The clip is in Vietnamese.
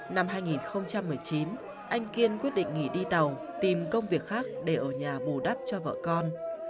năm hai nghìn một mươi chín anh kiên quyết định nghỉ đi tàu tìm công việc khác để ở nhà bù đắp cho vợ con